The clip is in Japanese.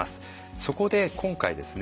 そこで今回ですね